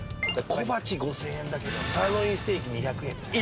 小鉢５０００円だけどサーロインステーキ２００円みたいな。